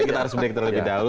kita harus break terlebih dahulu